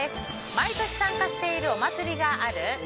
毎年参加しているお祭りがある？